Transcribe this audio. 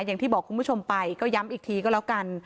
อย่างที่บอกคุณผู้ชมไปก็ย้ำอีกทีก็แล้วกัน